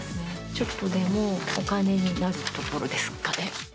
ちょっとでもお金になるところですかね。